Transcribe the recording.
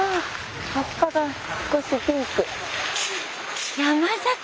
葉っぱが少しピンク。